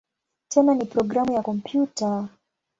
Tena ni programu ya kompyuta.